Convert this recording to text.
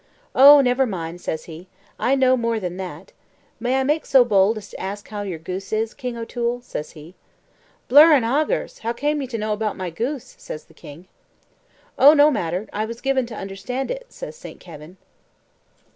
"Oh, never mind," says he, "I know more than that. May I make bold to ask how is your goose, King O'Toole?" says he. "Blur an agers, how came ye to know about my goose?" says the king. "Oh, no matter; I was given to understand it," says Saint Kavin.